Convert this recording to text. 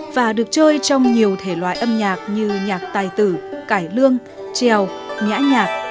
và được chơi trong nhiều thể loại âm nhạc như nhạc tài tử cải lương trèo nhã nhạc